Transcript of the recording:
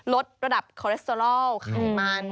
ลดระดับคอเลสเตอรอลไขมัน